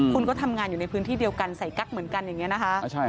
คุณก็ทำงานอยู่ในพื้นที่เดียวกันใส่กั๊กเหมือนกันอย่างนี้นะคะ